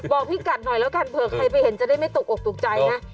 พี่กัดหน่อยแล้วกันเผื่อใครไปเห็นจะได้ไม่ตกออกตกใจนะ